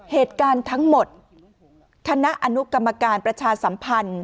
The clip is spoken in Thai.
เหตุการณ์ทั้งหมดคณะอนุกรรมการประชาสัมพันธ์